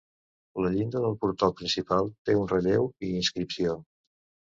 La llinda del portal principal té un relleu i inscripció.